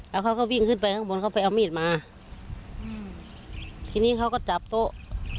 แล้วเขาก็วิ่งขึ้นไปข้างบนเขาไปเอามีดมาอืมทีนี้เขาก็จับโต๊ะ